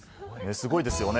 すごいですよね。